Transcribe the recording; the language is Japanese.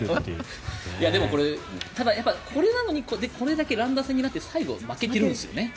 でも、これなのに乱打戦になって最後、負けてるんですよね。